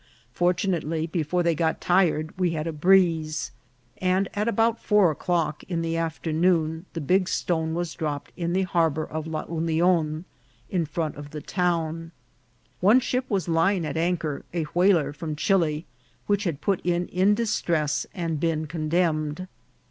Fortunately, before they got tired we had a breeze, and at about four o'clock in the afternoon the big stone was dropped in the har bour of La Union, in front of the town. One ship was lying at anchor, a whaler from Chili, which had put in in distress and been condemned.